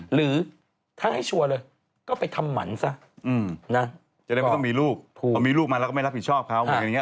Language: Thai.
หรือทั้งให้ชัวร์เลย